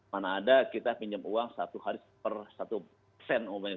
mana ada kita pinjam uang satu hari per satu persen